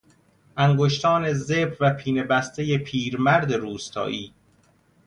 انگشتان زبر و پینه بسته پیرمرد روستایی